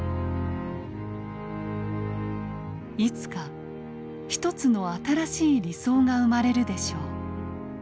「いつかひとつの新しい理想が生まれるでしょう。